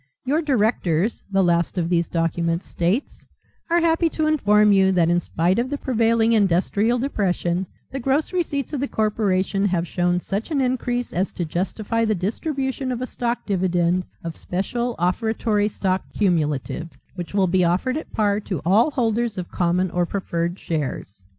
"Your directors," the last of these documents states, "are happy to inform you that in spite of the prevailing industrial depression the gross receipts of the corporation have shown such an increase as to justify the distribution of a stock dividend of special Offertory Stock Cumulative, which will be offered at par to all holders of common or preferred shares.